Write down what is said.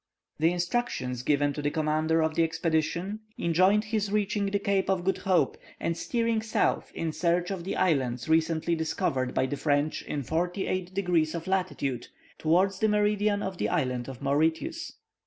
The instructions given to the commander of the expedition, enjoined his reaching the Cape of Good Hope, and steering south in search of the islands recently discovered by the French, in 48 degrees of latitude, towards the meridian of the island of Mauritius.